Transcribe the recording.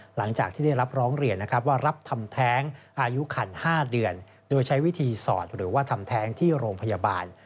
หลังจากที่ได้รับร้องเรียนนะครับว่ารับทำแท้งอายุคัน๕เดือนโดยใช้วิธีสอดหรือว่าทำแท้งที่โรงพยาบาล